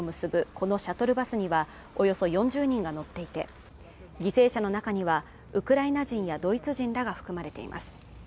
このシャトルバスにはおよそ４０人が乗っていて犠牲者の中にはウクライナ人やドイツ人らが含まれています